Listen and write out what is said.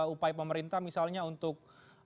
upaya pemerintah misalnya untuk